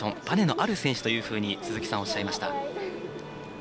バネのある選手というふうに鈴木さん、おっしゃいました。